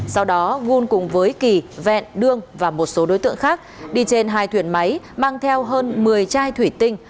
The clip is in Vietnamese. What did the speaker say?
sau đó vun cùng với kỳ vẹn đương và một số đối tượng khác đi trên hai thuyền máy mang theo hơn một mươi chai thủy tinh